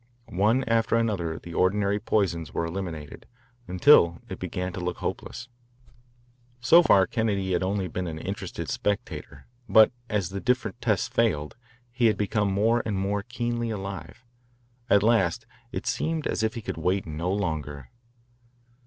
One after another the ordinary poisons were eliminated, until it began to look hopeless. So far Kennedy had been only an interested spectator, but as the different tests failed, he had become more and more keenly alive. At last it seemed as if he could wait no longer.